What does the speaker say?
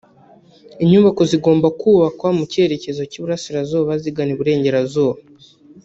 Inyubako zigomba kubakwa mu cyerekezo cy’iburasirazuba zigana iburengerazuba